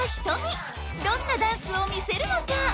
どんなダンスを見せるのか？